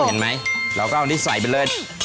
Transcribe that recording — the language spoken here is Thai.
อื้อ